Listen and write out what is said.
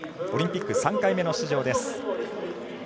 オリンピック３回目の出場です。